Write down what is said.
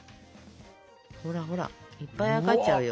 ほらほらいっぱいあやかっちゃうよ。